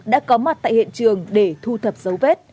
đã có mặt tại hiện trường để thu thập dấu vết